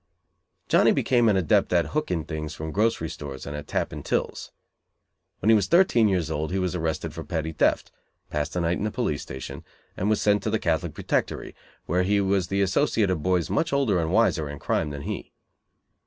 Johnny became an adept at "hooking" things from grocery stores and at tapping tills. When he was thirteen years old he was arrested for petty theft, passed a night in the police station, and was sent to the Catholic Protectory, where he was the associate of boys much older and "wiser" in crime than he.